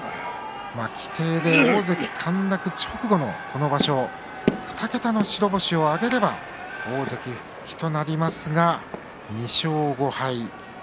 規定で大関陥落直後のこの場所２桁の白星を挙げれば大関復帰となりますが２勝５敗。